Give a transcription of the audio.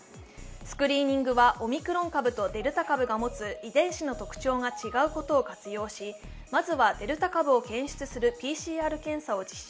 スクリーニングはオミクロン株とデルタ株が持つ遺伝子の特徴が違うことを活用し、まずはデルタ株を検出するＰＣＲ検査を実施。